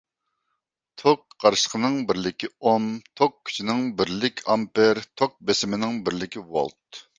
توك قارشىلىقىنىڭ بىرلىكى ئوم، توك كۈچىنىڭ بىرلىك ئامپېر، توك بېسىمنىڭ بىلىكى ۋولت.